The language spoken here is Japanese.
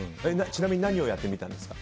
ちなみに何をやってみたんですか？